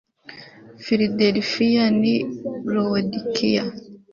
filadelifiya n i lawodikiya